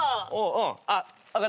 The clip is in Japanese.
・うん。